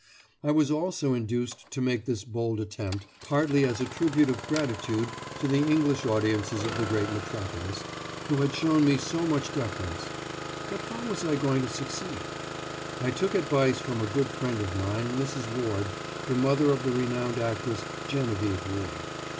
I was also induced to make this bold attempt, partly as a tribute of gratitude to the English audiences of the great metropolis, who had shown me so much deference. But how was I going to succeed? ... I took advice from a good friend of mine, Mrs. Ward, the mother of the renowned actress Genevieve Ward.